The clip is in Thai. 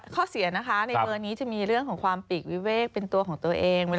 ข้อเสียข้อในเหนือนี้จะมีเรื่องของความปีกวิเวกเป็นตัวเอง